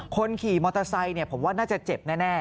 คนขี่มอเตอร์ไซค์ผมว่าน่าจะเจ็บแน่